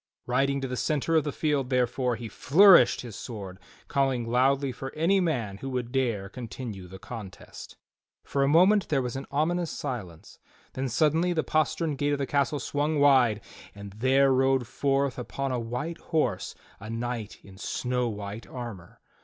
Riding to the centre of the field, therefore, he fiourished his sword calling loudly for any man who would dare continue the contest. For a moment there was an ominous silence, then suddenly the postern gate of the castle swung wide and there rode forth upon a white horse a knight in snow white armor.